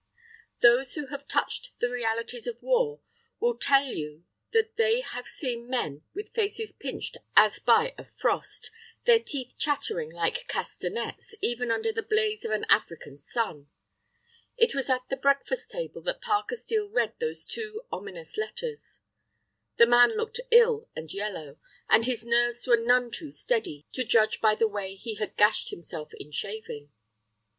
Those who have touched the realities of war will tell you that they have seen men with faces pinched as by a frost, their teeth chattering like castanets, even under the blaze of an African sun. It was at the breakfast table that Parker Steel read those two ominous letters. The man looked ill and yellow, and his nerves were none too steady, to judge by the way he had gashed himself in shaving.